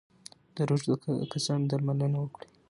د روږدو کسانو درملنه وکړئ.